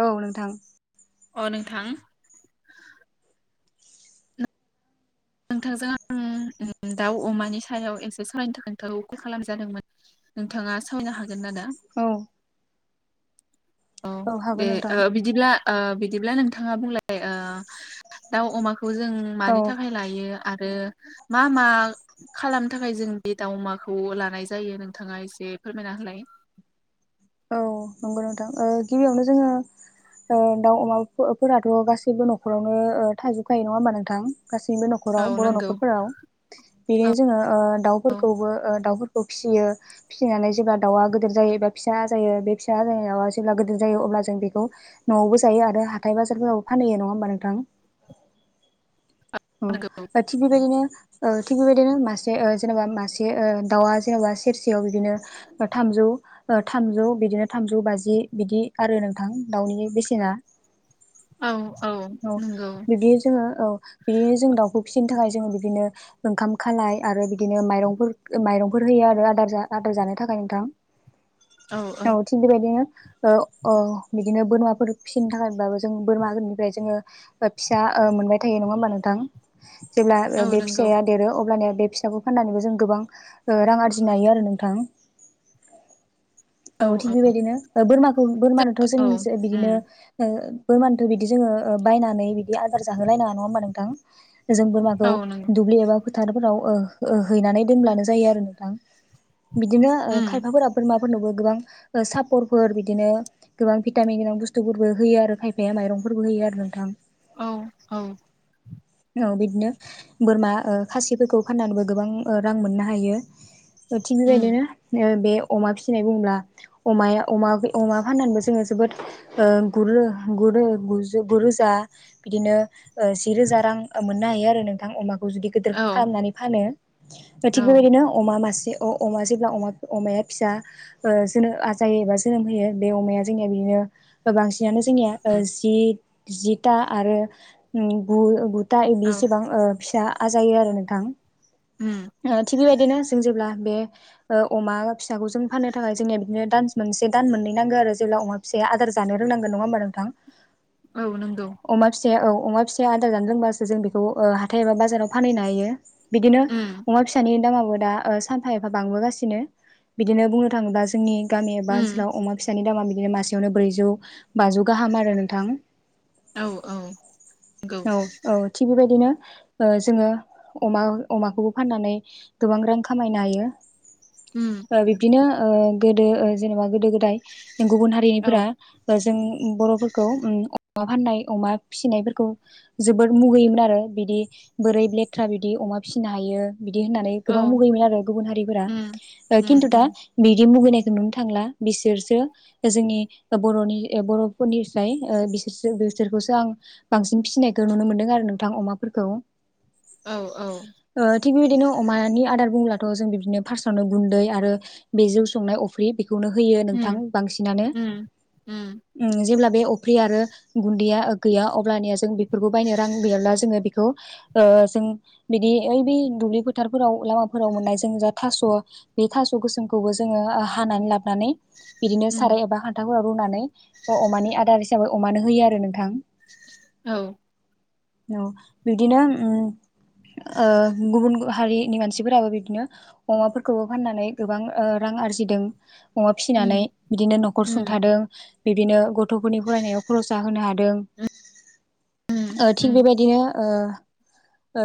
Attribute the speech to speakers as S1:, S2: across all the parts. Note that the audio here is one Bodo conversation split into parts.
S1: औ नोंथां
S2: अ नोंथां नोंथांजों आं दाउ अमानि सायाव एक्सार सालायनो थाखाय नोंथांखौ कल खालामजादोंमोन नोंथाङा सावायनो हागोन ना दा
S1: औ
S2: औ दे
S1: हागोन नोंथां
S2: ओ बिदिब्ला ओ बिदिब्ला नोंथाङा बुंलाय ओ दाउ अमाखौ जों
S1: औ
S2: मानि थाखाय लायो आरो मा मा खालामनो थाखाय जों बे दाउमाखौ लानाय जायो नोंथाङा एसे फोरमायना होलाय [inaudible]
S1: औ नंगौ नोंथां गिबियावनो जोङो दाउ अमाफोराथ' गासैबो न'खरावनो थाजोबखायो नङा होमबा नोंथां गासैबो
S2: औ
S1: न'खराव बर'
S2: नंगौ
S1: न'खरफोराव बिदिनो जोङो
S2: औ
S1: दाउफोरखौबो दाउफोरखौ फिसियो फिसिनानै जेन दाउआ गिदिर जायो एबा फिसा जायो बे फिसा जा जेब्ला गोदिर जायो अब्ला जों बेखौ न'आवबो जायो आरो हाथाय बाजारफोराव फानैयो नङा होमबा नोंथां
S2: [inaudible] नंगौ
S1: थि बेबायदिनो ओ थिग बेबायदिनो मासे ओ जेनेबा मासे ओ दाउआ जेनेबा सेरसेयाव बिदिनो थाम थामजौ थामजौ बिदिनो थामजौ बाजि बिदि आरो नोंथां दाउनि बेसेना
S2: औ
S1: औ
S2: नंगौ
S1: बिदि जोङो औ बिदिनो औ जों दाउखौ फिसिनो थाखाय जोङो बि बिदिनो ओंखाम खालाय आरो बिदिनो माइरंफोर माइरंफोर होयो आरो आद आदार जानो थाखाय नोंथां
S2: [unintelligible]
S1: औ थिग बेबायदिनो ओ बिदिनो बोरमाफोर फिसिनो थाखायबाबो जों बोरमा गोदनिफ्राय जोङो फिसा मोनबाय थायो नङा होमबा नोंथां अ जेब्ला
S2: औ
S1: बे
S2: नंगौ
S1: फिसाया देरो अब्लानिया बे फिसाखौ फाननानैबो जों गोबां रां आरजिनो हायो आरो नोंथां औ थिग बेबायदिनो बोरमाखौ बोरमानोथ'
S2: औ
S1: जों बिदिनो
S2: उम
S1: ओ बोमानोथो बिदि जोङो बायनानै बिदि आजार जाहोलाय नङा नङा होमबा नोंथां जों बोरमाखौ
S2: औ नंगौ
S1: दुब्लि एबा फोथारफोराव हैनानै दोनब्लानो जायो आरो नोंथां बिदिनो
S2: उम
S1: खायफाफोरा बोरमाफोरनोबो गोबां सापरफोर बिदिनो गोबां भिटामिन गोनां बुस्थुफोरबो होयो आरो खायफाया माइरंफोरबो होयो बिदि आरो नोंथां
S2: औ औ
S1: औ बिदिनो बोरमा खासिफोरखौ फाननानैबो गोबां रां मोननो हायो थिग
S2: उम
S1: बेबायदिनो बे अमा फिसिनाय बुङोब्ला अमा फाननानैबो जोङो जिगु रोजा बिदिनो जि रोजा रां मोननो हायो आरो नोंथां अमाखौ जुदि गिदिर
S2: औ
S1: खालामनानै फानो थिक
S2: औ
S1: बेबायदिनो अमा मासे अमा जेब्ला अमाया फिसा जोनोम आजायो एबा जोनोम होयो बे अमाया जोंनिया बिदिनो बांसिनानो जोंनिया
S2: उम
S1: जिथा आरो गु दा
S2: औ
S1: बिसेबां फिसा आजायो आरो
S2: उम
S1: नोंथां थिग बेबायदिनो जों जेब्ला बे अमा फिसाखौ जों फाननो थाखाय जोंनिया बिदिनो दान मोनसे दान मोननै नांगौ आरो जेब्ला अमा फिसाया आदार जानो रोंनांगोन नङा होमबा नोंथां
S2: औ नंगौ
S1: फि औ अमा फिसाया आदार जानो रोंबासो जों बेखौ हाथाय एबा बाजाराव फानहैनो हायो बिदिनो
S2: उम
S1: अमा फिसानि दामाबो दा सानफा एफा बांबोगासिनो बिदिनो बुंनो थाङोबा जोंनि गामि एबा
S2: उम
S1: ओनसोलाव अमा फिसानि दामा बिदिनो मासेयावनो ब्रैजौ, बाजौ गाहाम आरो नोंथां
S2: औ - औ नंगौ
S1: औ- औ थिग बेबायदिनो जोङो अमा अमाखौबो फाननानै गोबां रां खामायनो हायो
S2: उम
S1: बिब्दिनो गोदो जेनेबा गोदो - गोदाय नाथाय गुबुन
S2: औ
S1: हारिनिफोरा जों बर'फोरखौ अमा फाननाय अमा फिसिनायफोरखौ जोबोद मुगैयोमोन आरो बिदि बोरै लेथ्रा बिदि बि अमा फिसिनो हायो बिदि होननानै
S2: औ
S1: गोबां मुगैयोमोन आरो गुबुन हारिफोरा
S2: उम उम
S1: खिन्थु दा
S2: उम
S1: बिदि मुगैनाय नुनो थांला बिसोरसो जोंनि बर'नि बर'फोरनिफ्राय बिसोरसो बिसोरखौसो आं बांसिन फिसिनायखौ नुनो मोन्दों आरो नोंथां अमाफोरखौ
S2: औ औ
S1: थिग बेबायदिनो अमानि आदार बुंब्लाथ' जों बिदिनो फार्स्ट आवनो गुन्दै आरो बे जौ संनाय अफ्रि बेखौनो होयो नोंथां
S2: उम
S1: बांसिनानो
S2: उम उम
S1: जेब्ला बे अफ्रि आरो गुन्दैया गैया अब्लानिया जों बेफोरखौ बायनो रां गैयाब्ला जोङो बे बेखौ जों बिदि ओ बे दुब्लि फोथारफोराव लामाफोराव मोननाय जों जा थास' बे थास' गोसोमखौबो जोङो हानानै लाबोनानै बिदिनो
S2: उम
S1: साराय एबा खान्थालफोराव रुनानै अमानि आदार हिसाबै अमानो होयो आरो नोंथां
S2: औ
S1: औ बिदिनो गुबुन हारिनि मानसि मानसिफोराबो बिदिनो अमाफोरखौबो फाननानै गोबां रां आरजिदों अमा फिसिनानै
S2: उम
S1: बिदिनो न'खर
S2: उम
S1: सुंथादों बिदिनो गथ'फोरनि फरायनायाव खरसा होनो हादों थिग
S2: उम
S1: बेबायदिनो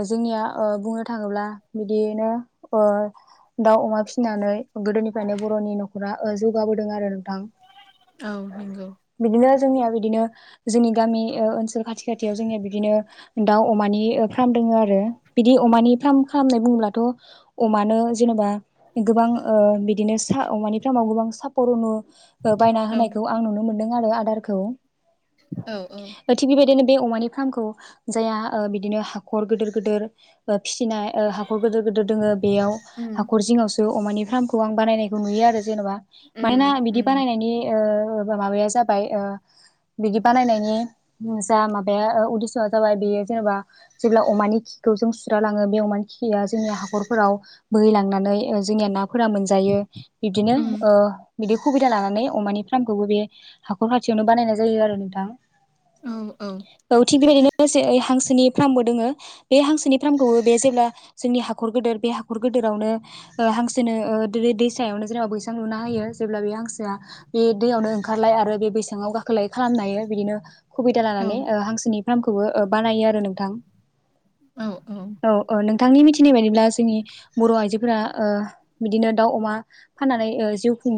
S1: जोंनिया बुंनो थाङोब्ला बिदियैनो दाउ, अमा फिसिनानै गोदोनिफ्रायनो बर'नि न'खरा जौगाबोदों आरो
S2: औ नंगौ
S1: बिदिनो जोंनिया बिदिनो जोंनि गामि ओनसोल खाथि- खाथियाव जोंनि बिदिनो दाउ, अमानि फार्म दङ आरो बिदि अमानि फार्म खालाम बुंब्लाथ' अमानो जेनेबा गोबां बिदिनो सा अमानि फार्म आव गोबां सापरुन बायना
S2: औ
S1: होनायखौ आं नुनो मोनदों आरो आदारखौ
S2: औ -औ
S1: थिग बेबायदिनो बे अमानि फार्मखौ जाया बिदिनो हाखर गिदिर गिदिर फिसिनाय हाखर गिदिर गोदिर दोङो बेयाव
S2: उम
S1: हाख'र जिङावसो अमानि फार्मखौ आं बानायनायखौ नुयो आरो जेनेबा
S2: उम
S1: मानोना बिदि
S2: उम
S1: बानायनायनि माबाया जाबाय बिदि बानायनायनि जा माबाया उदिसआ जाबाय बेयो जेनेबा जेब्ला अमानि खिखौ जों सुुस्रा लाङो बे अमानि खिया जोंनि हाखरफोराव बोहैलांनानै जोंनिया ना फोरा मोनजायो बिबदिनो
S2: उम
S1: बिदि सुबिदा लानानै अमानि फानखौबो बे हाखर खाथियावनो बानायनाय जायो आरो नोंथां
S2: औ
S1: औ थिग बेबायदिनो लोगोसे ओइ हांसोनि फार्मबो दोङो बे हांसोनि फार्मखौबो बे जेब्ला जोंनि हा हाखर गेदेर बे हाखर गेदेरावनो हांसोनो दैसायावनो जेनेबा बैस सां लुनाहोयो जेब्ला बे हांसोआ बे दैआवनो ओखारलाय आरो बे बैसांआव गाखो खोलाय खालामनो हायो बिदिनो [inaudible] नानै अ हांसोनि फार्मखौबो बानायो आरो नोंथां औ -औ नोंथांनि मिथिनाय बायदिब्ला जोंनि बर' आइजो फोरा अ बिदिनो दाउ, अमा फाननानै जिउ खुं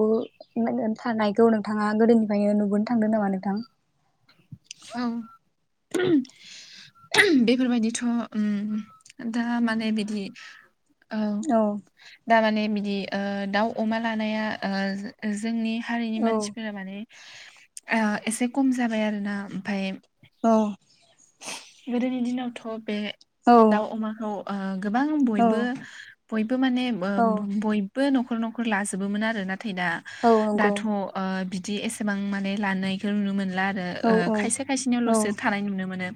S1: थानायखौ नोंथाङा आ गोदोनिफ्रायनो नुबोनो थांदों नामा नोंथां
S2: औ बेफोरबायदिथ' ओम दा माने बिदि औ दा माने बिदि ओ दाउ अमा लानाया ओ जोंनि हारिनि
S1: औ
S2: मानसिफोरा माने अ एसे कम जाबाय आरोना ओमफाय
S1: औ
S2: गोदोनि दिनावथ बे
S1: औ
S2: दाउ अमाखौ अ गोबां
S1: औ
S2: बयबो बयबो बो माने
S1: औ
S2: बयबो न'खर न'खर लाजोबोमोनोन आरो ना थाय दा
S1: औ नंगौ
S2: दाथ' बिदि एसेबां माने लानायखौ नुनो मोन ला
S1: औ
S2: आरो
S1: औ
S2: खायसे खायसेनियावल'सो
S1: औ
S2: थानाय नुनो मोनो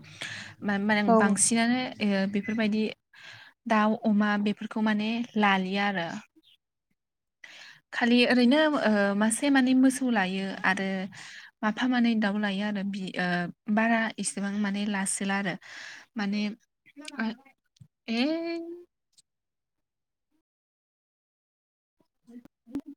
S2: मा मानो
S1: औ
S2: बांसिनानो ए बेफोरबायदि दाउ अमा बेफोरखौ माने लालियो आरो [unintelligible] खालि ओरैनो अ मासे माने मोसौ लायो आरो माफा माने दाउ लायो आरो बि ओ बारा एसेबां माने लासोला आरो माने आ ए [inaudible]